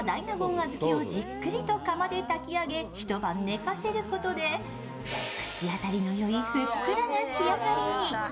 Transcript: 小豆をじっくりと釜で炊き上げ一晩寝かせることで口当たりのいいふっくらな仕上がりに。